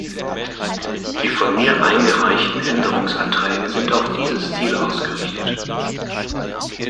Die von mir eingereichten Änderungsanträge sind auf dieses Ziel ausgerichtet.